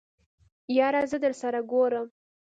يره زه درسره ګورم.